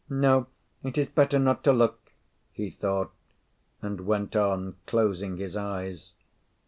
"No, it is better not to look," he thought, and went on, closing his eyes.